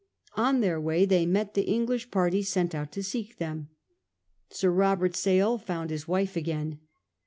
On their way they met the English parties sent out to seek for them. Sir Robert Sale found his wife again.